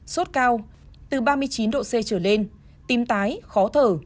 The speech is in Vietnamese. sốt cao từ ba mươi chín độ c trở lên tim tái khó thở